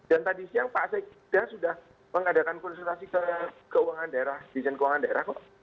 dan tadi siang pak saik sudah mengadakan konsultasi ke keuangan daerah dijen keuangan daerah kok